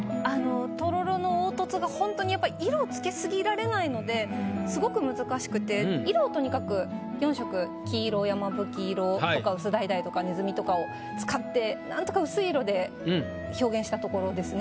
とろろの凹凸がほんとにやっぱり色をつけ過ぎられないのでスゴく難しくて色をとにかく４色黄色山吹色とか薄だいだいとかねずみとかを使ってなんとか薄い色で表現したところですね。